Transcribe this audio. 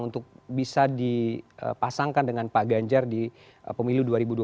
untuk bisa dipasangkan dengan pak ganjar di pemilu dua ribu dua puluh